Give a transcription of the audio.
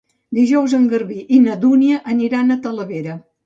Dijous en Garbí i na Dúnia aniran a Talavera.